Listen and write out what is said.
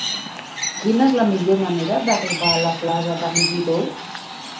Quina és la millor manera d'arribar a la plaça de Meguidó?